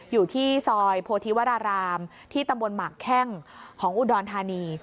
อยู่ที่ซอยโพธิวรารามที่ตำบลหมากแข้งของอุดรธานี